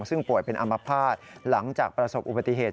ซึ่งป่วยเป็นอามภาษณ์หลังจากประสบอุบัติเหตุ